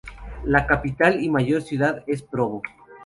La capital y mayor ciudad es Provo.